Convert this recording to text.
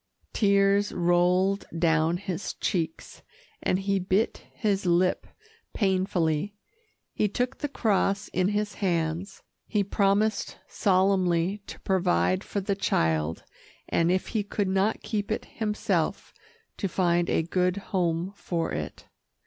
Tears rolled down his cheeks, and he bit his lip painfully. He took the cross in his hands he promised solemnly to provide for the child, and if he could not keep it himself, to find a good home for it.